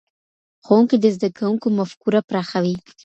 ښوونکی د زدهکوونکو مفکوره پراخوي.